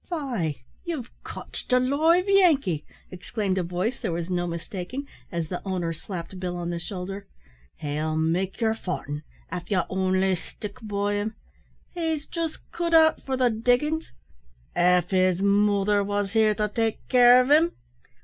"Faix, ye've cotched a live Yankee!" exclaimed a voice there was no mistaking, as the owner slapped Bill on the shoulder. "He'll make yer fortin', av ye only stick by him. He's just cut out for the diggin's, av his mother wos here to take care of him."